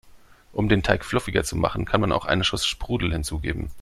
Um den Teig fluffiger zu machen, kann man auch einen Schuss Sprudel hinzugeben.